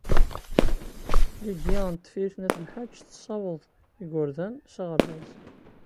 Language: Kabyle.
Lidya n Tifrit n At Lḥaǧ tessaweḍ igerdan s aɣerbaz.